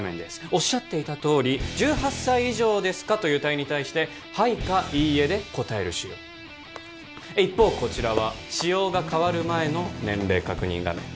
おっしゃっていたとおり「１８歳以上ですか？」という問いに対して「はい」か「いいえ」で答える仕様一方こちらは仕様が変わる前の年齢確認画面